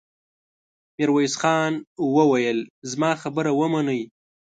ميرويس خان وويل: زما خبره ومنئ!